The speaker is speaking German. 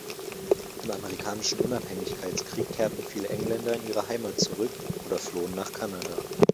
Im Amerikanischen Unabhängigkeitskrieg kehrten viele Engländer in ihre Heimat zurück oder flohen nach Kanada.